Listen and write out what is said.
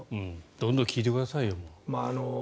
どんどん聞いてくださいよ。